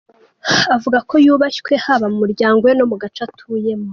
Avuga ko yubashywe haba mu muryango we no mu gace atuyemo.